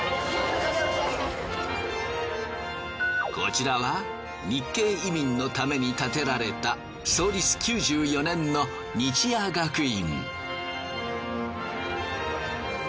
こちらは日系移民のために建てられた創立９４年の日亜学院。